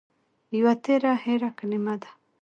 يوه تېره هېره کلمه ده